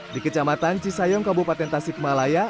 di kecamatan cisayong kabupaten tasikmalaya